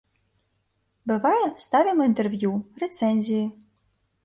Бывае, ставім інтэрв'ю, рэцэнзіі.